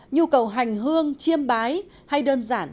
nhu cầu hành hương chiêm bái hay đơn giản